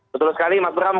betul sekali mas bram